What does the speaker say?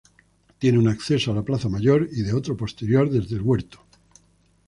Tiene un acceso a la plaza Mayor y de otro posterior desde el huerto.